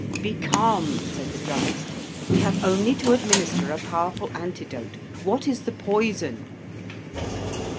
"Be calm," said the druggist; "we have only to administer a powerful antidote. What is the poison?"